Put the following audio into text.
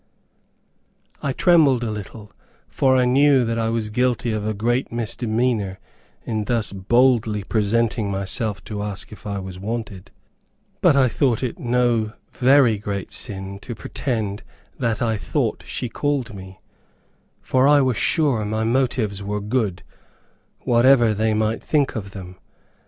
I trembled a little, for I knew that I was guilty of a great misdemeanor in thus boldly presenting myself to ask if I was wanted; but I thought it no very great sin to pretend that I thought she called me, for I was sure my motives were good, whatever they might think of them.